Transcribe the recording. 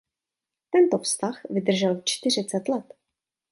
Tento vztah vydržel čtyřicet let.